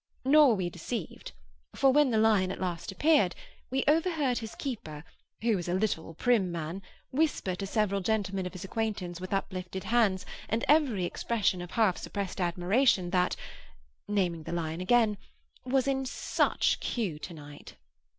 Nor were we deceived; for when the lion at last appeared, we overheard his keeper, who was a little prim man, whisper to several gentlemen of his acquaintance, with uplifted hands, and every expression of half suppressed admiration, that—(naming the lion again) was in such cue to night!